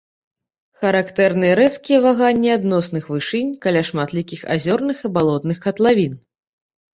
Характэрны рэзкія ваганні адносных вышынь каля шматлікіх азёрных і балотных катлавін.